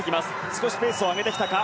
少しペースを上げてきたか。